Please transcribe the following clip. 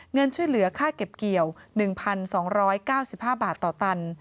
เงินช่วยเหลือค่าเก็บเกี่ยว๑๒๙๕บาทต่อตัน